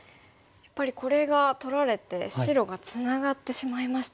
やっぱりこれが取られて白がツナがってしまいましたね。